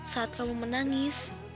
saat kamu menangis